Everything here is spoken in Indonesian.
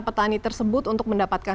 petani tersebut untuk mendapatkan